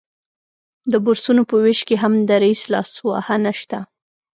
د بورسونو په ویش کې هم د رییس لاسوهنه شته